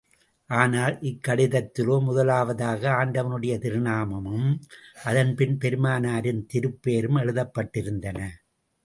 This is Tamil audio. ஆனால், இக்கடிதத்திலோ, முதலாவதாக, ஆண்டவனுடைய திருநாமமும், அதன் பின் பெருமானாரின் திருப்பெயரும் எழுதப்பட்டிருந்தன.